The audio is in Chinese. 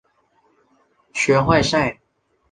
学坏晒！